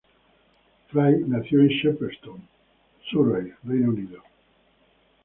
Fry nació en Shepperton, Surrey, Reino Unido.